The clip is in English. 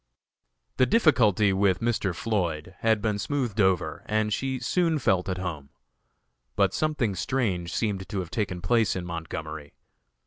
The difficulty with Mr. Floyd had been smoothed over and she soon felt at home. But something strange seemed to have taken place in Montgomery.